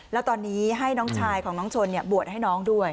แล้วตอนนี้ให้น้องชายของน้องชนบวชให้น้องด้วย